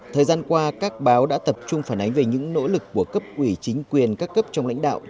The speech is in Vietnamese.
thời gian qua các báo đã tập trung phản ánh về những nỗ lực của cấp ủy chính quyền các cấp trong lãnh đạo